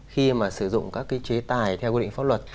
khi mà sử dụng các cái chế tài theo quy định pháp luật